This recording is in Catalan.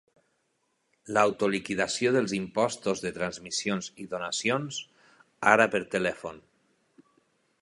L'autoliquidació dels impostos de transmissions i donacions, ara per telèfon.